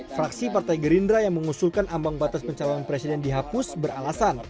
fraksi partai gerindra yang mengusulkan ambang batas pencalon presiden dihapus beralasan